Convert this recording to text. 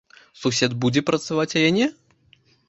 Сусед будзе працаваць, а я не?